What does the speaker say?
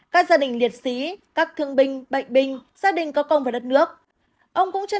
các gia đình liệt sĩ các thương binh bệnh binh gia đình có công và đất nước